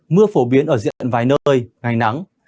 mưa phổ biến ở diện vài nơi ngày nắng